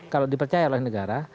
kalau dipercaya oleh negara